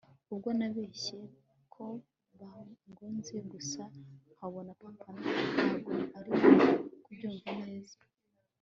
ubwo nabeshye ko bangonze , gusa nkabona papa ntago arimo kubyumva neza